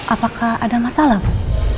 apakah ada masalah bu